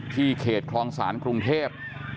เขตคลองศาลกรุงเทพ